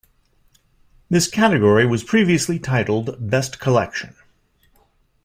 This category was previously titled "best collection".